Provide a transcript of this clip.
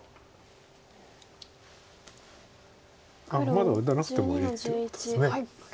まだ打たなくてもいいっていうことです。